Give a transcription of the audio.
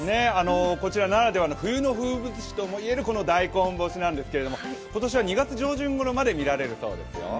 こちらならではの冬の風物詩とも言える大根干しなんですけど、今年は２月上旬ごろまで見られるそうですよ。